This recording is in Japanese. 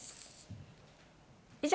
以上、